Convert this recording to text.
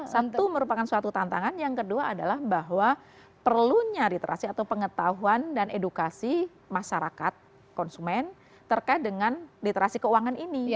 tentu merupakan suatu tantangan yang kedua adalah bahwa perlunya literasi atau pengetahuan dan edukasi masyarakat konsumen terkait dengan literasi keuangan ini